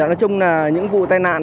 nói chung là những vụ tai nạn